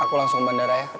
aku langsung bandara ya